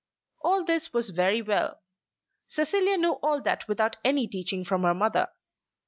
All this was very well. Cecilia knew all that without any teaching from her mother.